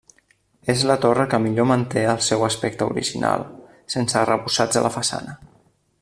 És la torre que millor manté el seu aspecte original, sense arrebossats a la façana.